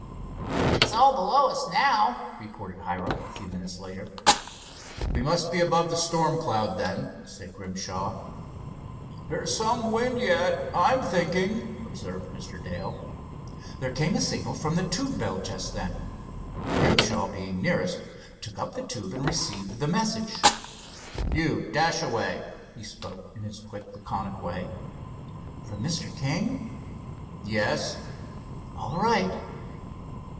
"It's all below us now," reported Hiram, a few minutes later. "We must be above the storm cloud, then," said Grimshaw. "There's some wind yet, I'm thinking," observed Mr. Dale. There came a signal from the tube bell just then. Grimshaw being nearest, took up the tube and received the message. "You, Dashaway," he spoke in his quick, laconic way. "From Mr. King?" "Yes." "All right."